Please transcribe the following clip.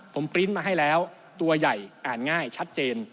ผมปริ้นต์มาให้แล้วตัวใหญ่อ่านง่ายชัดเจน